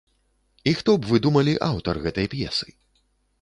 І хто б вы думалі аўтар гэтай п'есы?